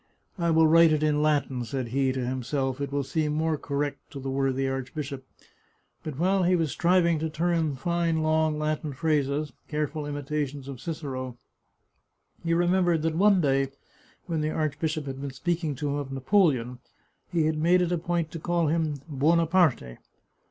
"I will write it in Latin," said he to himself ;" it will seem more correct to the worthy arch bishop." But while he was striving to turn fine long Latin 225 The Chartreuse of Parma phrases, careful imitations of Cicero, he remembered that one day, when the archbishop had been speaking to him of Napoleon, he had made it a point to call him " Buonaparte.